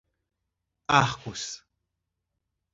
Arcos